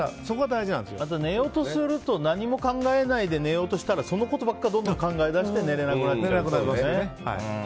あと、寝ようとすると何も考えないで寝ようとしてもそのことばっかりどんどん考えだして寝られなくなりますよね。